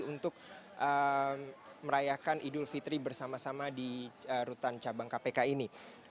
untuk merayakan idul fitri bersama sama di rutan cabang kpk ini